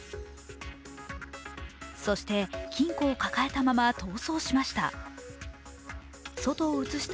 そして、金庫を抱えたまま逃走しました。